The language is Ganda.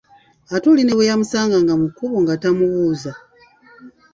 Ate oli ne bwe yamusanganga mu kkubo, nga tamubuuza.